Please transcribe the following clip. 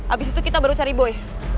abis itu kita baru cari boy